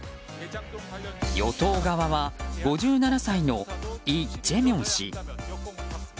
与党側は５７歳のイ・ジェミョン氏。